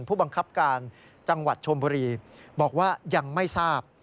ผู้บังคับการจังหวัดชมบุรีบอกว่ายังไม่ทราบ